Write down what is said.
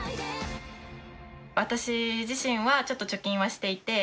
私自身はちょっと貯金はしていて。